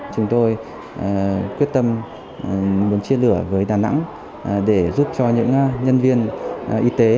chúng tôi quyết tâm muốn chia lửa với đà nẵng để giúp cho những nhân viên y tế